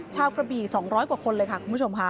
กระบี่๒๐๐กว่าคนเลยค่ะคุณผู้ชมค่ะ